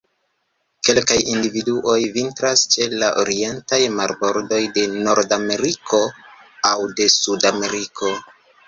Kelkaj individuoj vintras ĉe la orientaj marbordoj de Nordameriko aŭ de Sudameriko.